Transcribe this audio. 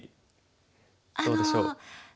どうでしょう？